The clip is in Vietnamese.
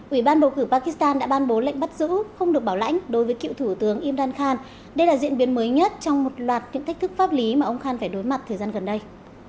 ủy ban bầu cử pakistan đã ban bố lệnh bắt giữ không được bảo lãnh đối với cựu thủ tướng imran khan đây là diễn biến mới nhất trong một loạt những thách thức pháp lý mà ông khan phải đối mặt thời gian gần đây